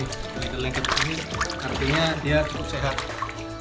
kelihatan langgirnya ini artinya dia cukup sehat